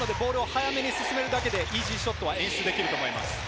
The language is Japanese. なので早めに進めるだけで、イージーショットは演出できます。